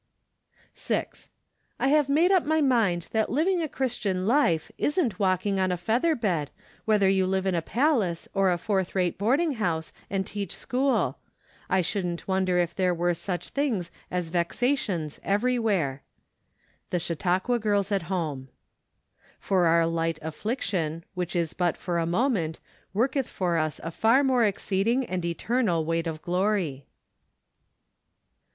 G. " I have made up my mind that living a Christian life, isn't walking on a feather bed, whether you live in a palace, or a fourth rate boarding house, and teach school. I shouldn't wonder if there were such things as vexations everywhere." The Chautauqua Girls at Home. " For our light affliction , xchich is but for a moment, worketh for us afar more exceeding and eternal weight of glory."